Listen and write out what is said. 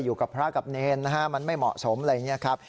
อยู่กับพระกับเนรนะฮะมันไม่เหมาะสมอะไรอย่างนี้ครับ